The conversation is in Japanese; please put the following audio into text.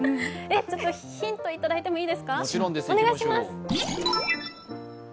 ヒントいただいてもいいですか、お願いします。